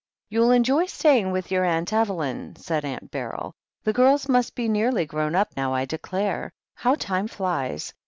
"You'll enjoy staying with your Aunt Evelyn," said Aunt Beryl. "The girls must be nearly grown up now, I declare. How time flies